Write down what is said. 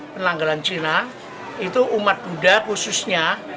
penanggalan cina itu umat buddha khususnya